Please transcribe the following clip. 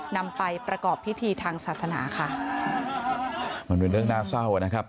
นำไปประกอบพิธีทางศาสนาค่ะมันเป็นเรื่องน่าเศร้านะครับ